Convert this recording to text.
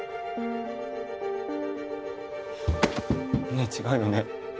ねえ違うよね？